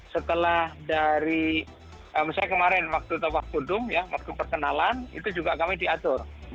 setelah dari misalnya kemarin waktu tabah kudum ya waktu perkenalan itu juga kami diatur